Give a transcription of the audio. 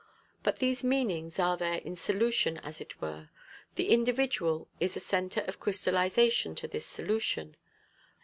But these meanings are there in solution as it were. The individual is a centre of crystallisation to this solution.